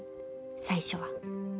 最初は。